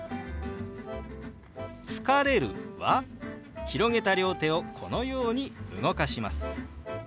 「疲れる」は広げた両手をこのように動かします。